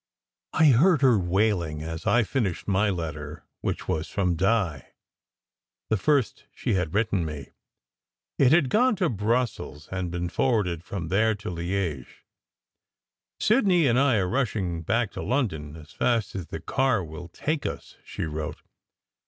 I heard her wailing as I finished my letter, which was from Di: the first she had written me. It had gone to Brussels and been forwarded from there to Liege. "Sid ney and I are rushing back to London as fast as the car will take us," she wrote.